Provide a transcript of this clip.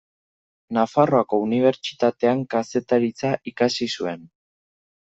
Nafarroako Unibertsitatean Kazetaritza ikasi zuen.